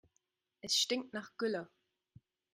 Es stinkt nach Gülle.